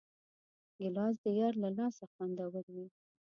ګیلاس د یار له لاسه خوندور وي.